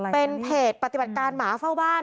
เป็นเพจปฏิบัติการหมาเฝ้าบ้าน